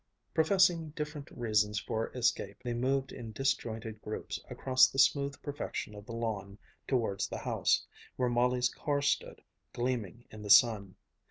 Professing different reasons for escape, they moved in disjointed groups across the smooth perfection of the lawn towards the house, where Molly's car stood, gleaming in the sun.